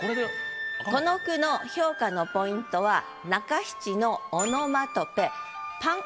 この句の評価のポイントは中七の。